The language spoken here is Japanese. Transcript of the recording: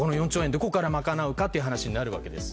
どこから賄うかという話になるわけです。